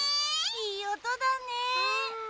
いいおとだね。